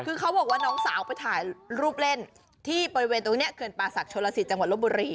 คือเขาบอกว่าน้องสาวไปถ่ายรูปเล่นที่บริเวณตรงนี้เขื่อนป่าศักดิชนลสิตจังหวัดลบบุรี